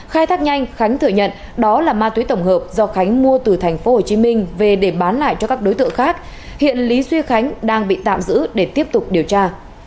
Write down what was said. khai thác nhanh khánh thử nhận đó là ma túi tổng hợp do khánh mua từ thành phố hồ chí minh về để bán lại cho các đối tượng khác hiện lý duy khánh đang bị tạm giữ để tiếp tục điều tra